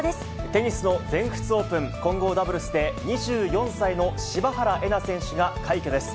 テニスの全仏オープン、混合ダブルスで２４歳の柴原瑛菜選手が快挙です。